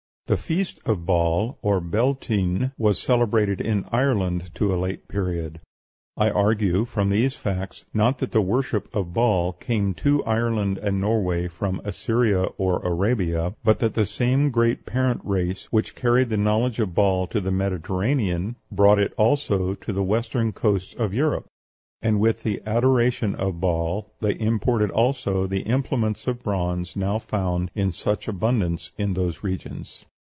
The feast of Baal, or Beltinne, was celebrated in Ireland to a late period. I argue from these facts, not that the worship of Baal came to Ireland and Norway from Assyria or Arabia, but that the same great parent race which carried the knowledge of Baal to the Mediterranean brought it also to the western coasts of Europe, and with the adoration of Baal they imported also the implements of bronze now found in such abundance in those regions.